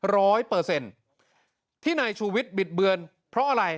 ร้อยเปอร์เซ็นต์ที่นายชูวิทย์บิดเบือนเพราะอะไร